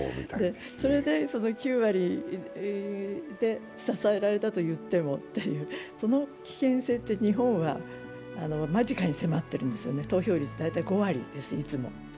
それで、その９割で支えられたといってもという、その危険性って日本は間近に迫っているんですよね、投票率、大体いつも５割ですよ。